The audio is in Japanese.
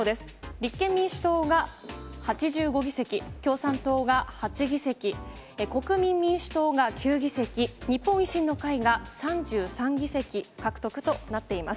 立憲民主党が８５議席、共産党が８議席、国民民主党が９議席、日本維新の会が３３議席獲得となっています。